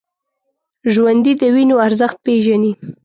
ژوندي د وینو ارزښت پېژني